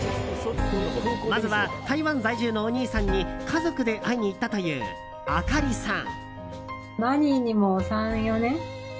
まずは、台湾在住のお兄さんに家族で会いに行ったというＡｋａｒｉさん。